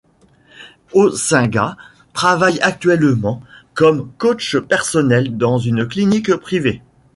Osinga travaille actuellement comme coach personnel dans une clinique privée.